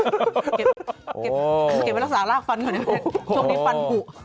โอ้โฮเก็บโอ้โฮเก็บไปรักษารากฟันก่อนเนี่ยช่วงนี้ฟันกุ๊